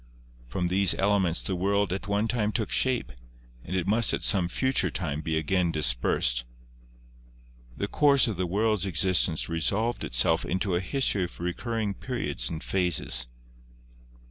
From these elements the world at one time took shape, and it must at some future time be again dispersed. The course of the world's existence resolved itself into a history of recurring periods and phases.